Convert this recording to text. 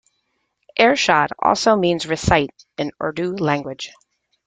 Ershad also means "recite" in Urdu language.